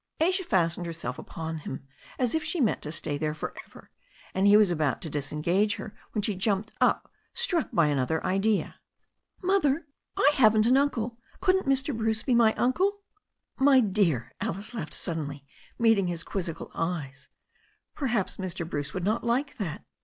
Asia fastened herself upon him as if she meant to stay there for ever, and he was about to disentangle her when she jumped up, struck by another idea. "Mother, I haven't any uncle. Couldn't Mr. Bruce be my uncle ?'" "My dear," Alice laughed suddenly, meeting his quizzical eyes, "perhaps Mr. Bruce would not like that."